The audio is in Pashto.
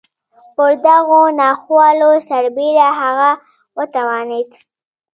پر دغو ناخوالو سربېره هغه وتوانېده.